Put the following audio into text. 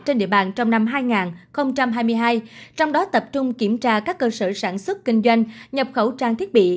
trên địa bàn trong năm hai nghìn hai mươi hai trong đó tập trung kiểm tra các cơ sở sản xuất kinh doanh nhập khẩu trang thiết bị